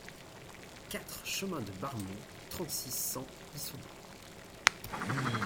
quatre chemin de Barmont, trente-six, cent, Issoudun